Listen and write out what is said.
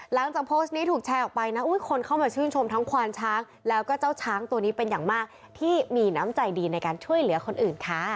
หลังจากโพสต์นี้ถูกแชร์ออกไปนะคนเข้ามาชื่นชมทั้งควานช้างแล้วก็เจ้าช้างตัวนี้เป็นอย่างมากที่มีน้ำใจดีในการช่วยเหลือคนอื่นค่ะ